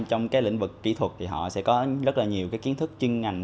trong cái lĩnh vực kỹ thuật thì họ sẽ có rất là nhiều cái kiến thức chuyên ngành